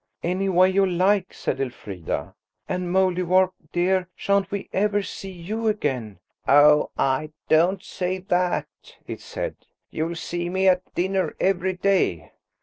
"Any way you like," said Elfrida. "And Mouldiwarp, dear, shan't we ever see you again?" "Oh, I don't say that," it said. "You'll see me at dinner every day."